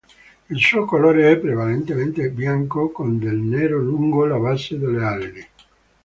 Il suo colore è prevalentemente bianco con del nero lungo la base delle ali.